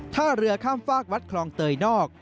ท่าเรือข้ามฝากวัดคลองเตยนอก